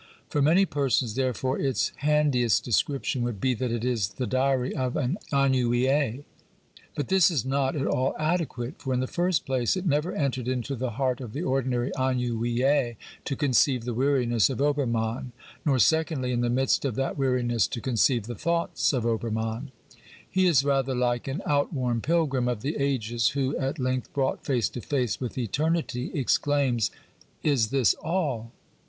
For many persons, therefore, its handiest description would be that it is the diary of an ennuye ; but this is not at / all adequate, for, in the first place, it never entered into the heart of the ordinary ennuye to conceive the weariness of Ober mann, nor, secondly, in the midst of that weariness, to con ceive the thoughts of Obermann. He is rather like an out worn pilgrim of the ages who, at length brought face to face with eternity, exclaims : Is this all